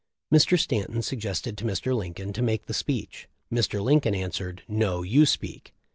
Mr. Stanton suggested to Mr. Lincoln to make the speech. Mr. Lincoln answered. 'No, you speak.'